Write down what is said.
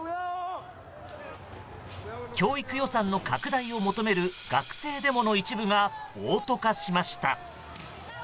教育予算の拡大を求める学生デモの一部が暴徒化しました。